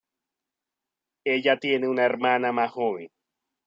Ella tiene una hermana más joven.